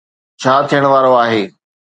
ڇا ٿيڻ وارو آهي؟